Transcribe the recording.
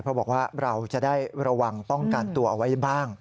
เพราะบอกว่าเราจะได้ระวังป้องกันตัวเอาไว้บ้าง